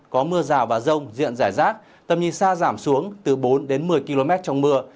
có mưa rào và rông diện rải rác tầm nhìn xa giảm xuống từ bốn đến một mươi km trong mưa